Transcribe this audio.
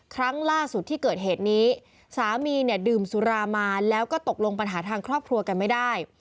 ครั้งล่าสุดที่เกิดเหตุนี้สามีเนี่ยดื่มสุรามาแล้วก็ตกลงปัญหาทางครอบครัวกันไม่ได้